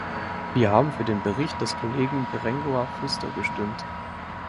Wir haben für den Bericht des Kollegen Berenguer Fuster gestimmt.